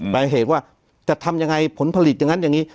หมายเหตุว่าจะทำยังไงผลผลิตอย่างนั้นอย่างนี้